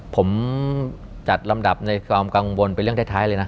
ผมจัดลำดับในความกังวลเป็นเรื่องท้ายเลยนะ